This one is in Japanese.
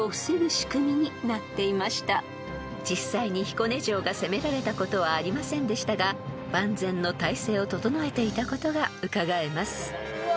［実際に彦根城が攻められたことはありませんでしたが万全の態勢を整えていたことがうかがえます］